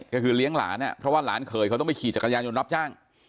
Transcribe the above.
ก็คือเลี้ยงหลานเพราะว่าหลานเขยเขาต้องไปขี่จักรยานยนต์รับจ้าง